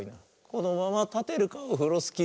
「このままたてるかオフロスキー」